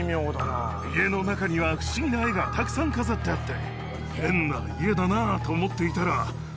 家の中には不思議な絵がたくさん飾ってあって。